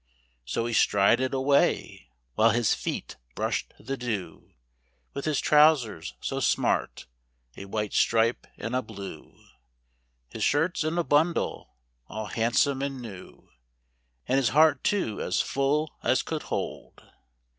So he strided away, while his feet brushed the dew; With his trowsers so smart, a white stripe and a blue His shirts in a bundle, all handsome and new; And his heart too as full as could hold. 8 ENGLAND.